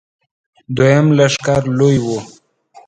دوهم لښکر لوی و.